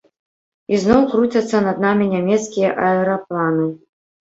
Ізноў круцяцца над намі нямецкія аэрапланы.